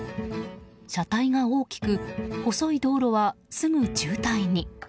車体が大きく細い道路はすぐ渋滞に。